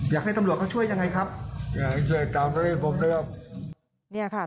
อยากให้ตำรวจก็ช่วยทำยังไงครับ